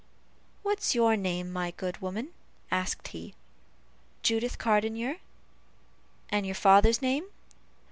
"What is your name, my good woman?" asked he. "Judith Cardenier." "And your father's name?"